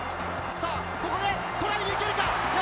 さあ、ここでトライに行けるか？